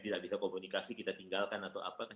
tidak bisa komunikasi kita tinggalkan atau apa